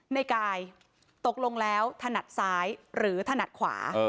ในกายตกลงแล้วถนัดซ้ายหรือถนัดขวา